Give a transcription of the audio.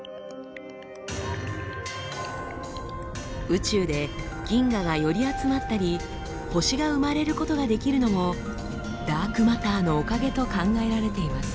宇宙で銀河が寄り集まったり星が生まれることができるのもダークマターのおかげと考えられています。